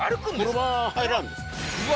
車入らんですうわ